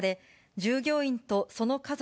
従業員とその家族